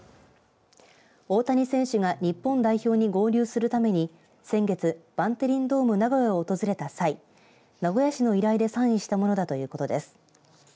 大谷選手が日本代表に合流するために先月バンテリンドームナゴヤを訪れた際名古屋市の依頼でサインしたものだということです。